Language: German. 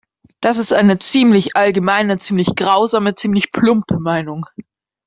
Das ist eine ziemlich allgemeine, ziemlich grausame, ziemlich plumpe Meinung.